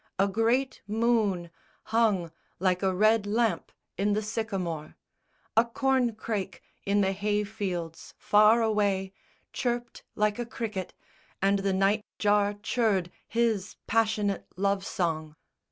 A great moon Hung like a red lamp in the sycamore. A corn crake in the hay fields far away Chirped like a cricket, and the night jar churred His passionate love song.